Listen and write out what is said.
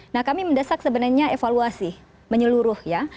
nah kami mendesak sebenarnya evaluasi menyeluruh ya